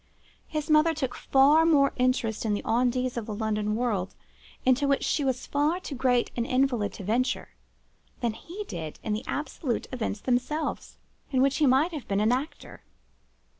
His mother took far more interest in the on dits of the London world, into which she was far too great an invalid to venture, than he did in the absolute events themselves, in which he might have been an actor.